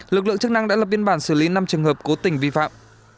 lực lượng chức năng đã lập biên bản xử lý năm trường hợp cố tình vi phạm